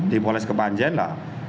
dipoles ke panjen lah